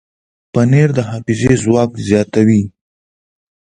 پنېر د حافظې ځواک زیاتوي.